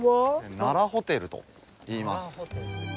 奈良ホテルといいます。